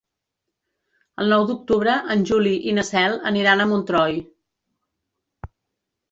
El nou d'octubre en Juli i na Cel aniran a Montroi.